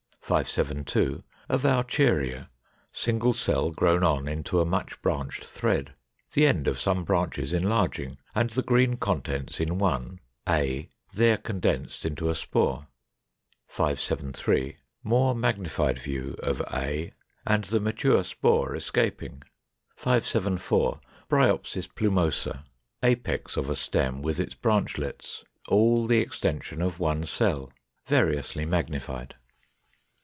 572. A Vaucheria; single cell grown on into a much branched thread; the end of some branches enlarging, and the green contents in one (a) there condensed into a spore. 573. More magnified view of a, and the mature spore escaping. 574. Bryopsis plumosa; apex of a stem with its branchlets; all the extension of one cell. Variously magnified.